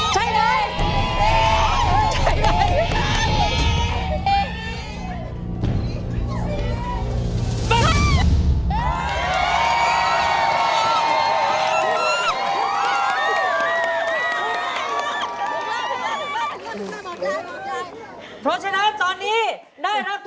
ขอให้เป็น๔๔นะครับ